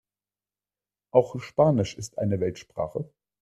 Auch Spanisch ist eine Weltsprache.